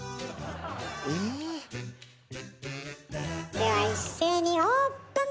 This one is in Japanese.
では一斉にオープン！